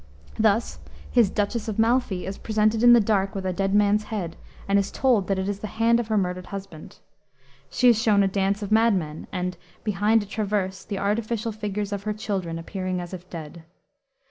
Thus his Duchess of Malfi is presented in the dark with a dead man's hand, and is told that it is the hand of her murdered husband. She is shown a dance of madmen and, "behind a traverse, the artificial figures of her children, appearing as if dead."